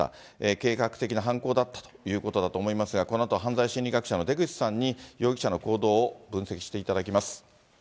計画的な犯行だったということだと思いますが、このあと犯罪心理学者の出口さんに、容疑者の行動を分析していただきます。